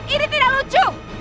ini tidak lucu